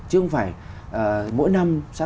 chứ không phải mỗi năm